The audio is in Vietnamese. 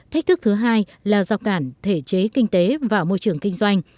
thách thức thứ hai là dọc cản thể chế kinh tế và môi trường kinh doanh